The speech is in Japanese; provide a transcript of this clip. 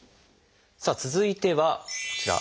さあ続いてはこちら。